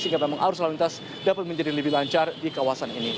sehingga memang arus lalu lintas dapat menjadi lebih lancar di kawasan ini